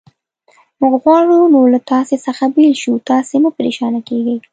موږ غواړو نور له تاسې څخه بېل شو، تاسې مه پرېشانه کېږئ.